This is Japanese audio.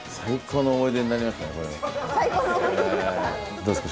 どうですか？